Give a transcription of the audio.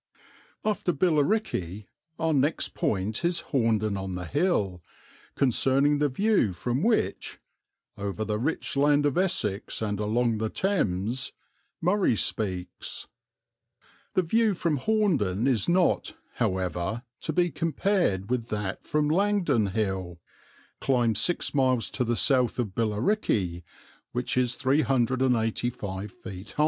After Billericay our next point is Horndon on the Hill, concerning the view from which "over the rich land of Essex and along the Thames" "Murray" speaks. The view from Horndon is not, however, to be compared with that from Langdon Hill, climbed six miles to the south of Billericay, which is 385 ft.